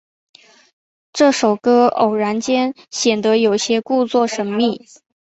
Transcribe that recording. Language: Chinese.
这首歌偶然间显得有些故作神秘。